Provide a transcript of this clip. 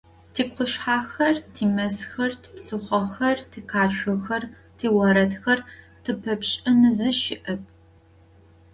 Тикъушъхьэхэр, тимэзхэр, типсыхъохэр, тикъашъохэр, тиорэдхэр - зыпэпшӏын зи щыӏэп.